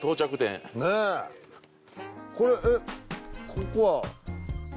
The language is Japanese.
ここは。